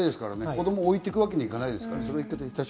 子供を置いていくわけにはいかないので。